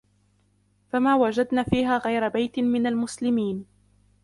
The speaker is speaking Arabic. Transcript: فما وجدنا فيها غير بيت من المسلمين